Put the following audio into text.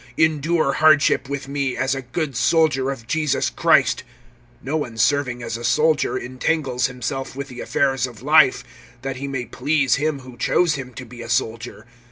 (3)Endure hardship with me, as a good soldier of Jesus Christ. (4)No one serving as a soldier entangles himself with the affairs of life, that he may please him who chose him to be a soldier.